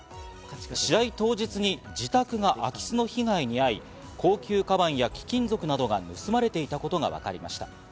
試合当日に自宅が空き巣の被害に遭い、高級かばんや貴金属などが盗まれていたことがわかりました。